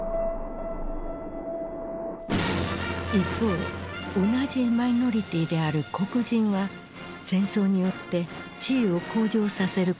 一方同じマイノリティーである黒人は戦争によって地位を向上させることになった。